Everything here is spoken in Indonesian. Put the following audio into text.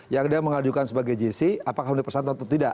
yang dia mengajukan sebagai gc apakah menipu atau tidak